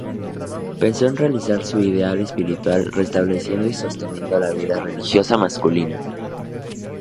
Pensó en realizar su ideal espiritual restableciendo y sosteniendo la vida religiosa masculina.